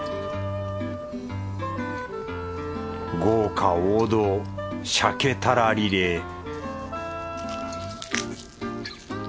豪華王道鮭たらリレー